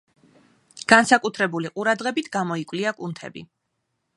განსაკუთრებული ყურადღებით გამოიკვლია კუნთები.